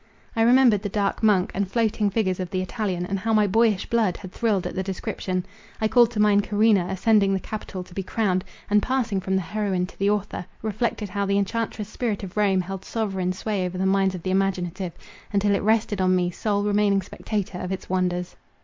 I remembered the dark monk, and floating figures of "The Italian," and how my boyish blood had thrilled at the description. I called to mind Corinna ascending the Capitol to be crowned, and, passing from the heroine to the author, reflected how the Enchantress Spirit of Rome held sovereign sway over the minds of the imaginative, until it rested on me—sole remaining spectator of its wonders.